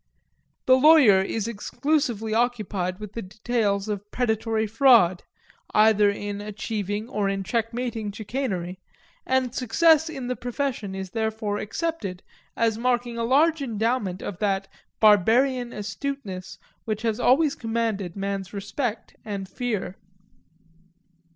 The lawyer is exclusively occupied with the details of predatory fraud, either in achieving or in checkmating chicanery, and success in the profession is therefore accepted as marking a large endowment of that barbarian astuteness which has always commanded men's respect and fear.